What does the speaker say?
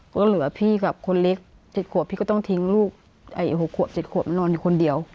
ก็เหลือพี่กับคนเล็ก๗ขวบพี่ก็ต้องทิ้งลูก๖ขวบ๗ขวบมานอนอยู่คนเดียว